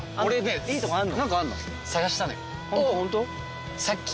いいとこあるの？